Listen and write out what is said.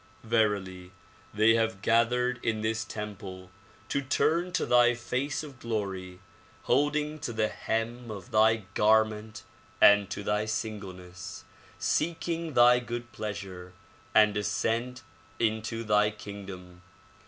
Verily they have gathered in this temple to turn to thy face of glory, holding to the hem of thy garment and to thy singleness, seeking thy good pleasure, and ascent into thy king dom.